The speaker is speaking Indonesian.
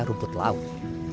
kita rumput laut